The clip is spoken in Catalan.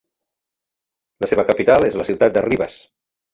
La seva capital és la ciutat de Rivas.